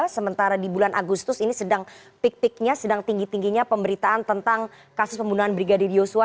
sementara di bulan agustus ini sedang pik piknya sedang tinggi tingginya pemberitaan tentang kasus pembunuhan brigadir yosua